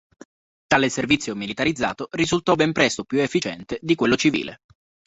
Tale servizio militarizzato risultò ben presto più efficiente di quello civile.